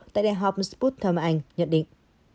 tại đại học sputum anh nhận định